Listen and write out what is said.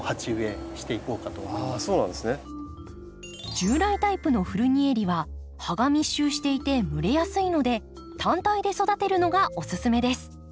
従来タイプのフルニエリは葉が密集していて蒸れやすいので単体で育てるのがおすすめです。